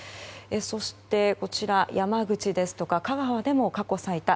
そして、山口ですとか香川でも過去最多。